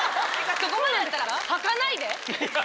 そこまでだったらはかないで。